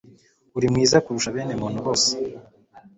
uri mwiza kurusha bene muntu bose